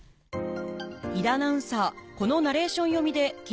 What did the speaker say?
井田アナウンサー